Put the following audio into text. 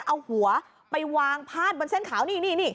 เอาหัวไปวางพาดบนเส้นขาวนี่